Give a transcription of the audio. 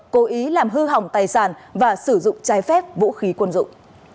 cố ý làm hư hỏng tài sản và sử dụng trái phép vũ khí quân dụng